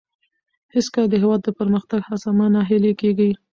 هېڅکله د هېواد د پرمختګ څخه مه ناهیلي کېږئ.